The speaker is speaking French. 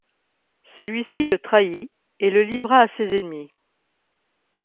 Celui-ci le trahit et le livra à ses ennemis.